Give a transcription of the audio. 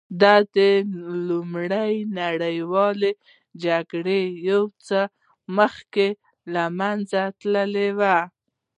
دا د لومړۍ نړیوالې جګړې یو څه مخکې له منځه تللې وې